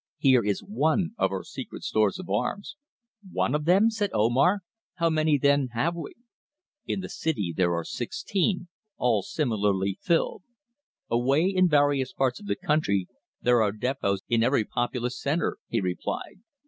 "Here is one of our secret stores of arms." "One of them!" said Omar. "How many, then, have we?" "In the city there are sixteen, all similarly filled. Away in various parts of the country there are depôts in every populous centre," he replied.